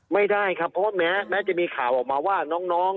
ไม่ได้ครับเพราะแม้จะมีข่าวออกมาว่าน้อง